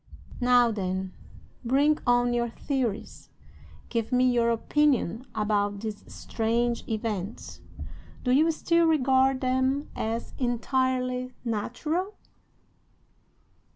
"Now, then, bring on your theories! Give me your opinion about these strange events. Do you still regard them as entirely natural?"